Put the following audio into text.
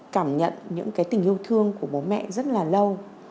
cảm nhận những tình yêu thương của bố mẹ rất là lâu